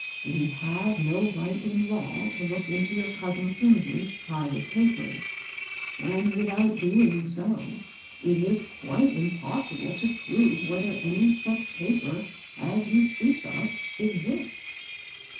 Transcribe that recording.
We have no right in law to look into your cousin Kingsley's private papers, and without doing so, it is quite impossible to prove whether any such paper as you speak of exists.